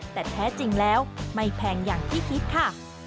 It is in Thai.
แต่แท้จริงแล้วไม่แพงอย่างที่คิดค่ะ